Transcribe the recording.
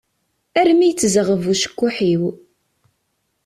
Armi yettzeɣɣeb ucekkuḥ-iw.